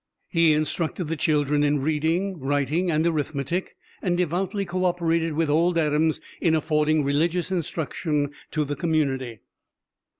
He instructed the children in reading, writing, and arithmetic, and devoutly co operated with old Adams in affording religious instruction to the community.